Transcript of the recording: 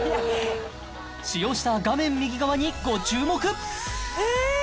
使用した画面右側にご注目えっ！？